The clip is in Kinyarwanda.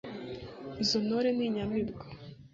Izo ntore ni inyamibwa